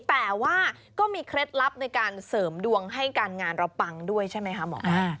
แต่ว่าก็มีเคล็ดลับในการเสริมดวงให้การงานเราปังด้วยใช่ไหมคะหมอ